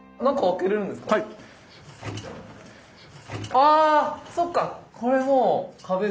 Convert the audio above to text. あそっか！